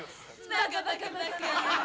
バカバカバカ。